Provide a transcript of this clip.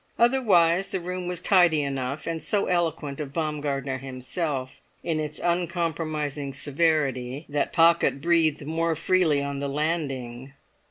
Otherwise the room was tidy enough, and so eloquent of Baumgartner himself, in its uncompromising severity, that Pocket breathed more freely on the landing.